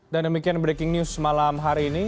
demikian breaking news malam hari ini